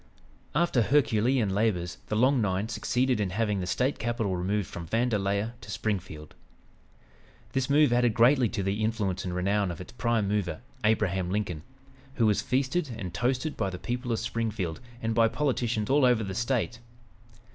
After Herculean labors "the Long Nine" succeeded in having the State capital removed from Vandalia to Springfield. This move added greatly to the influence and renown of its "prime mover," Abraham Lincoln, who was feasted and "toasted" by the people of Springfield and by politicians all over the State.